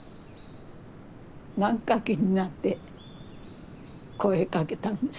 何か気になって声かけたんです。